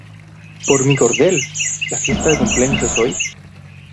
¡ Por mi cordel! ¿ La fiesta de cumpleaños es hoy?